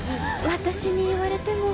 私に言われても。